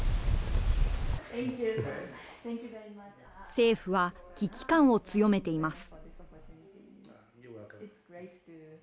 政府は危機感を強めています。